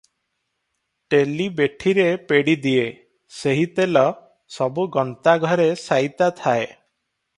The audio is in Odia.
ତେଲି ବେଠିରେ ପେଡ଼ିଦିଏ, ସେହି ତେଲ ସବୁ ଗନ୍ତାଘରେ ସାଇତା ଥାଏ ।